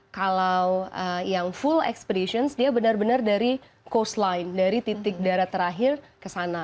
kalau yang full expeditions dia benar benar dari coast line dari titik darat terakhir ke sana